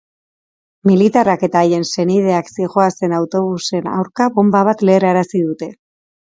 Militarrak eta haien senideak zihoazen autobusen aurka bonba bat leherrarazi dute.